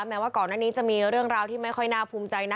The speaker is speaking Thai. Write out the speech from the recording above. แม้ว่าก่อนหน้านี้จะมีเรื่องราวที่ไม่ค่อยน่าภูมิใจนะ